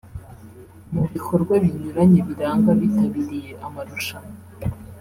Mu bikorwa binyuranye biranga abitabiriye amarushanwa